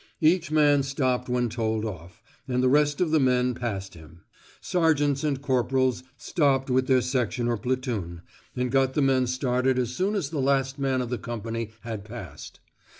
Each man stopped when told off, and the rest of the company passed him. Sergeants and corporals stopped with their section or platoon, and got the men started as soon as the last man of the company had passed.